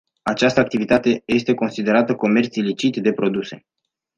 Această activitate este considerată comerț ilicit de produse.